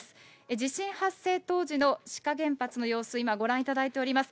地震発生当時の志賀原発の様子、今ご覧いただいております。